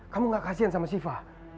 kamu gak kasihan sama siva